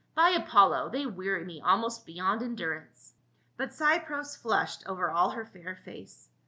By Apollo ! they weary me almost beyond endur ance." But Cypros flushed over all her fair face.